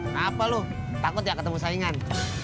kenapa lo takut gak ketemu saingan